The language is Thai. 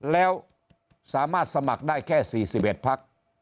แล้วสามารถสมัครได้แค่๔๑พัก